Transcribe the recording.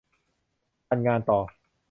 ปั่นงานต่อ